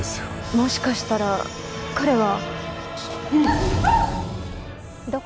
もしかしたら彼は。